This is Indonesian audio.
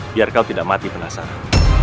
biar kau tidak mati penasaran